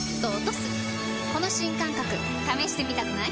この新感覚試してみたくない？